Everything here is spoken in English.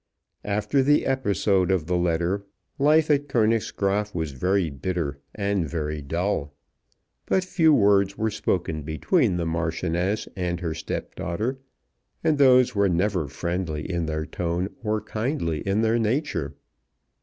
After the episode of the letter life at Königsgraaf was very bitter and very dull. But few words were spoken between the Marchioness and her stepdaughter, and those were never friendly in their tone or kindly in their nature.